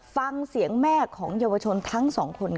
ฟังเสียงแม่ของเยาวชนทั้งสองคนค่ะ